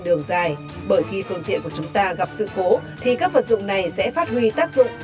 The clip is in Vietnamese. đường dài bởi khi phương tiện của chúng ta gặp sự cố thì các vật dụng này sẽ phát huy tác dụng